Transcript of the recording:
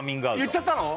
言っちゃったの！？